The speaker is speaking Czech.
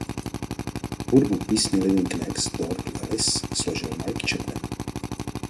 Hudbu k písni "Living next door to Alice" složil Mike Chapman.